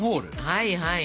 はいはい。